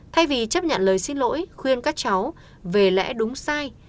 thay vì chấp nhận lời xin lỗi khuyên các cháu về lẽ đúng sai